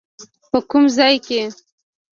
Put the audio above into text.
په کوم ځای کې؟